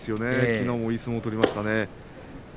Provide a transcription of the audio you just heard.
きのうもいい相撲を取りましたね。